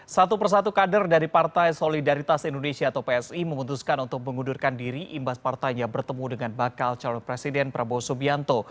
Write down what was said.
satu persatu kader dari partai solidaritas indonesia atau psi memutuskan untuk mengundurkan diri imbas partainya bertemu dengan bakal calon presiden prabowo subianto